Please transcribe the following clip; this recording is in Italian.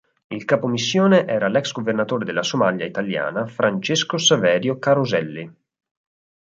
Il capo missione era l'ex governatore della Somalia italiana Francesco Saverio Caroselli.